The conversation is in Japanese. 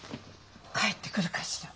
帰ってくるかしら？